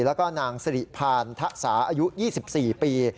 แล้วก็นางสิริพานทะสาอายุ๒๔ปี